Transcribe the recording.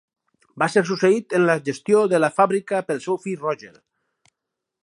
Va ser succeït en la gestió de la fàbrica pel seu fill Roger.